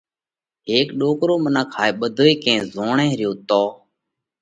هيڪ ڏوڪرو منک هائي ٻڌوئي ڪئين زوئي ريو تو۔